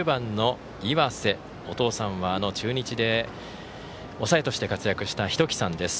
岩瀬、お父さんは中日で抑えとして活躍した仁紀さんです。